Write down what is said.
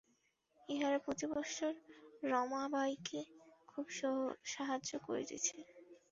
ইহারা প্রতি বৎসর রমাবাইকে খুব সাহায্য করিতেছে।